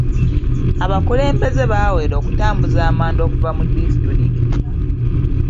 Abakulembeze baawera okutambuza amanda okuva mu disitulikiti.